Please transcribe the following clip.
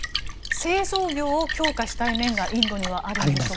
製造業を強化したい面がインドにはあるんでしょうか。